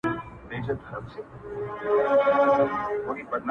ما تاته د پرون د خوب تعبير پر مخ گنډلی،